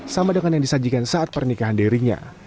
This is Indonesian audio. sama dengan yang disajikan saat pernikahan dirinya